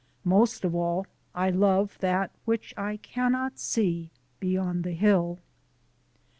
Most of all I love that which I cannot see beyond the hill.